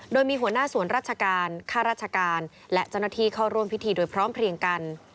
โดยมีหัวหน้าสวนราชการค่าราชการและเจ้าหน้าที่เข้าร่วมพิธีโดยพร้อมเพลียงกัน